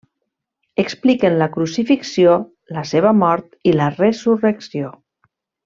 Expliquen la crucifixió, la seva mort i la resurrecció.